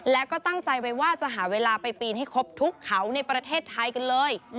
แล้วก็ตั้งใจไว้ว่าจะหาเวลาไปปีนให้ครบทุกเขาในประเทศไทยกันเลย